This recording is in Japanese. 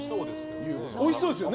おいしそうですね。